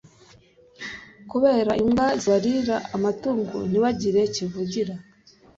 kubera imbwa zibarira amatungo ntibagire kivugira